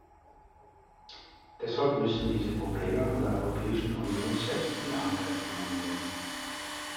Deshalb müssen diese Probleme von der Europäischen Union selbst in Angriff genommen werden.